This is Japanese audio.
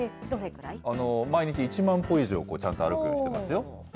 毎日１万歩以上、ちゃんと歩くようにしてますよ。